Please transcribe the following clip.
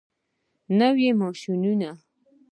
نوي ماشینونه.